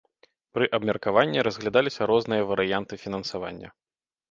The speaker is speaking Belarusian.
Пры абмеркаванні разглядаліся розныя варыянты фінансавання.